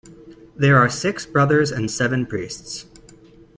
There are six brothers and seven priests.